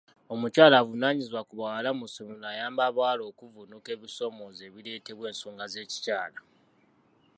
Omukyala avunaanyizibwa ku bawala mu ssomero ayamba abawala okuvvunuka ebisoomooza ebireetebwa ensonga z'ekikyala.